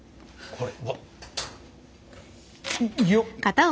これ。